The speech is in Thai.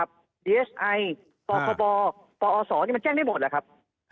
ปอสมันแจ้งได้หมดแล้วครับ